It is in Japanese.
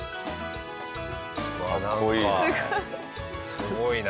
すごいな。